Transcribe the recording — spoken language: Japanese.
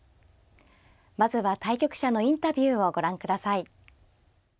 まずは対局者のインタビューをご覧ください。